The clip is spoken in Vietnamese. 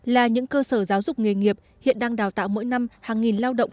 là những cơ sở giáo dục nghề nghiệp hiện đang đào tạo mỗi năm hàng nghìn lao động